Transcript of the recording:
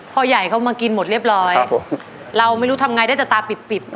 พ่อใหญ่เขามากินหมดเรียบร้อยเราไม่รู้ทำไงได้แต่ตาปิบ